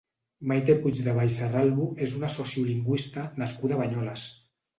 Maite Puigdevall Serralvo és una sociolingüista nascuda a Banyoles.